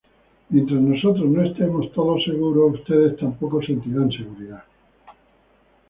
Mientras nosotros no estemos todos seguros, ustedes tampoco sentirán seguridad.